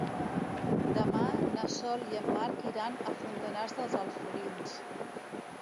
Demà na Sol i en Marc iran a Fontanars dels Alforins.